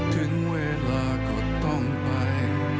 ถึงเวลาก็ต้องไป